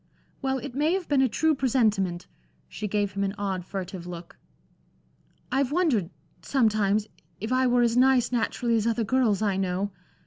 "Well, it may have been a true presentiment." She gave him an odd, furtive look. "I've wondered sometimes if I were as nice naturally as other girls I know.